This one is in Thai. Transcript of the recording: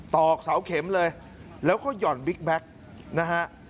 อกเสาเข็มเลยแล้วก็หย่อนบิ๊กแบ็คนะฮะ